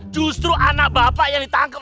justru anak bapak yang ditangkap